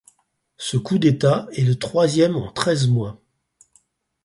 Ce coup d'État est le troisième en treize mois.